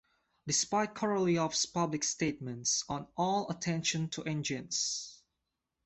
Despite Korolyov's public statements on All attention to engines!